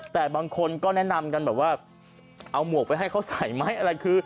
แต่บางคนก็แนะนำกันแบบว่าเอาหมวกไปให้เขาใส่ไหมอะไรคือ